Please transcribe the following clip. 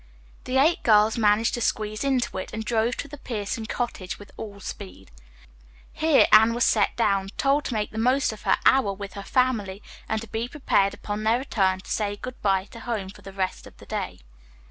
The eight girls managed to squeeze into it, and drove to the Pierson cottage with all speed. Here Anne was set down, told to make the most of her hour with her family and to be prepared upon their return to say good bye to home for the rest of the day.